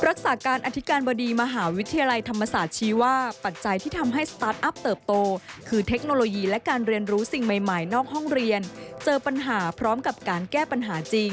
รักษาการอธิการบดีมหาวิทยาลัยธรรมศาสตร์ชี้ว่าปัจจัยที่ทำให้สตาร์ทอัพเติบโตคือเทคโนโลยีและการเรียนรู้สิ่งใหม่นอกห้องเรียนเจอปัญหาพร้อมกับการแก้ปัญหาจริง